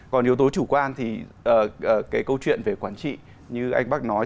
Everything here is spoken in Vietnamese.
còn yếu tố chủ quan thì cái câu chuyện về quản trị như anh bắc nói